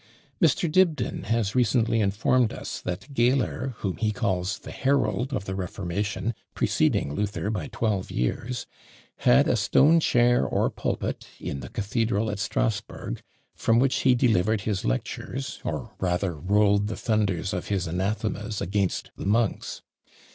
Mr. Dibdin has recently informed us, that Geyler, whom he calls "the herald of the Reformation," preceding Luther by twelve years, had a stone chair or pulpit in the cathedral at Strasburg, from which he delivered his lectures, or rather rolled the thunders of his anathemas against the monks.